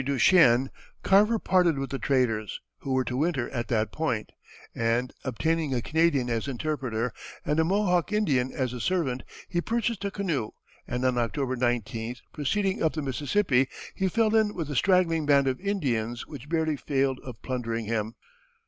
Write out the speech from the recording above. ] At Prairie du Chien Carver parted with the traders, who were to winter at that point, and obtaining a Canadian as interpreter and a Mohawk Indian as a servant, he purchased a canoe, and on October 19th, proceeding up the Mississippi, he fell in with a straggling band of Indians which barely failed of plundering him.